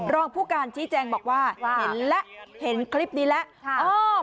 รองผู้การชี้แจงบอกว่าเห็นแล้วเห็นคลิปนี้แล้ว